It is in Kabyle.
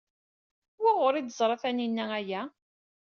Wuɣur ay d-teẓra Taninna aya?